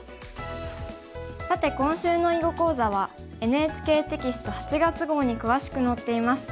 さて今週の囲碁講座はＮＨＫテキスト８月号に詳しく載っています。